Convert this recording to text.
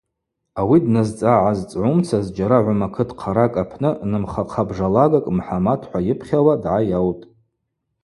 Ауи дназцӏгӏа-гӏазцӏгӏумца зджьара гӏвыма кыт хъаракӏ апны нымхахъа-бжалагакӏ Мхӏамат – хӏва йыпхьауа, дгӏайаутӏ.